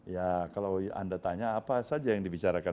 ya kalau anda tanya apa saja yang dibicarakan